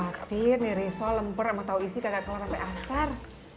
mbak khawatir nih riso lemper sama tau isi gak keluar sampe asar